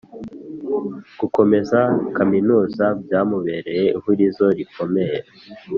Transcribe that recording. gukomeza Kaminuza byamubereye ihurizo rikomeye